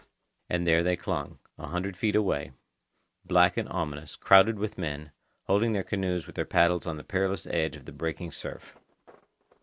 And there they clung, a hundred feet away, black and ominous, crowded with men, holding their canoes with their paddles on the perilous edge of the breaking surf.